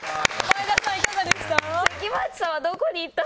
前田さん、いかがでした？